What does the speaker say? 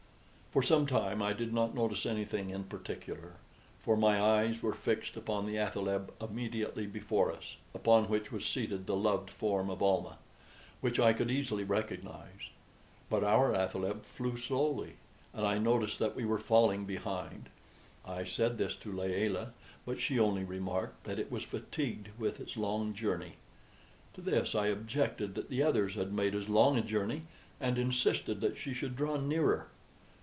For some time I did not notice anything in particular, for my eyes were fixed upon the athaleb immediately before us, upon which was seated the loved form of Almah, which I could easily recognize. But our athaleb flew slowly, and I noticed that we were falling behind. I said this to Layelah, but she only remarked that it was fatigued with its long journey. To this I objected that the others had made as long a journey, and insisted that she should draw nearer.